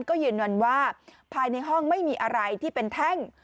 ก็ยืนยันว่าภายในห้องไม่มีอะไรที่เป็นแท่ง